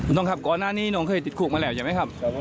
น้องครับก่อนหน้านี้น้องเคยติดคุกมาแล้วใช่ไหมครับ